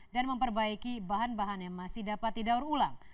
dan memperbaiki bahan bahan yang masih dapat didaur ulang